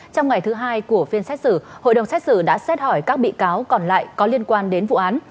trong ngày thứ hai của phiên xét xử hội đồng xét xử đã xét hỏi các bị cáo còn lại có liên quan đến vụ án